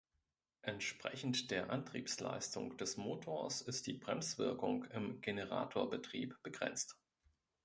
Entsprechend der Antriebsleistung des Motors ist die Bremswirkung im Generatorbetrieb begrenzt.